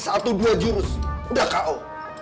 satu dua jurus udah k o